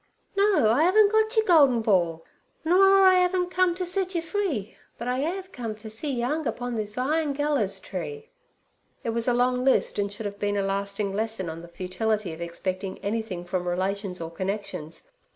'No, I haven't got yer goldin ball. Nor I haven't come t' set yer free. But I 'ave come t' see yer 'ung upon this iron gallers tree.' It was a long list, and should have been a lasting lesson on the futility of expecting anything from relations or connections.